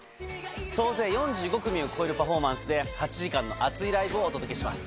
総勢４５組を超えるパフォーマンスで８時間の熱いライブをお届けします。